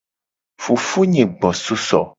Fofonye gbo so eso.